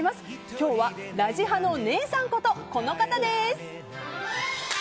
今日は「ラジハ」の姉さんことこの方です。